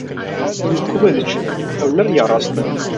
Hûn bi ku ve diçin, ew ne rêya rast e.